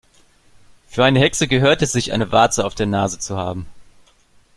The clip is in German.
Für eine Hexe gehört es sich, eine Warze auf der Nase zu haben.